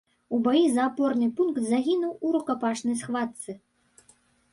У баі за апорны пункт загінуў у рукапашнай схватцы.